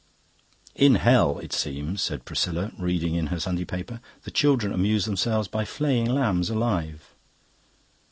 "In hell, it seems," said Priscilla, reading in her Sunday paper, "the children amuse themselves by flaying lambs alive."